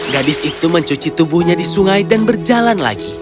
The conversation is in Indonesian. gadis itu mencuci tubuhnya di sungai dan berjalan lagi